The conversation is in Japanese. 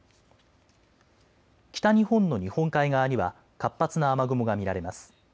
北日本の日本海側には活発な雨雲が見られます。